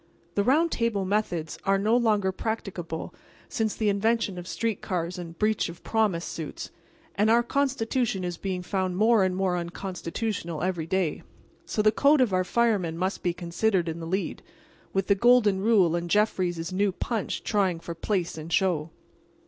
The Round Table methods are no longer practicable since the invention of street cars and breach of promise suits, and our Constitution is being found more and more unconstitutional every day, so the code of our firemen must be considered in the lead, with the Golden Rule and Jeffries's new punch trying for place and show.